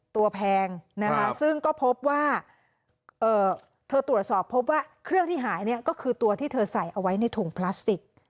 แพงนะคะซึ่งก็พบว่าเธอตรวจสอบพบว่าเครื่องที่หายเนี่ยก็คือตัวที่เธอใส่เอาไว้ในถุงพลาสติก